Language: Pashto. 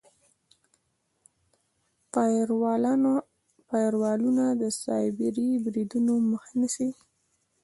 فایروالونه د سایبري بریدونو مخه نیسي.